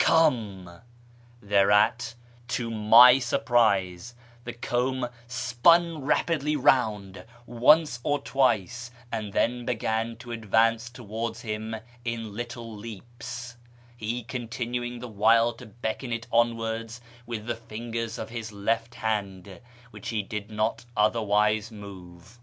come!"). Thereat, to my surprise, the comb spun rapidly round once or twice, and then began to advance towards him in little leaps, he continuing the while to beckon it onwards with the fingers of his left hand, which he did not otherwise move.